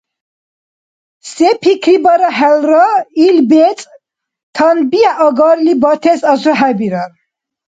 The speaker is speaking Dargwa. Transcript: Се пикрибарахӀелра, ил бецӀ танбихӀ агарли батес асухӀебирар.